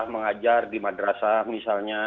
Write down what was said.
mengajar di madrasah misalnya